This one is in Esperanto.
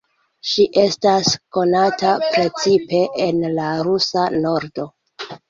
Ŝi estas konata precipe en la Rusa Nordo.